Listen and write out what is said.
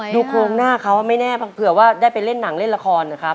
โครงหน้าเขาไม่แน่เผื่อว่าได้ไปเล่นหนังเล่นละครนะครับ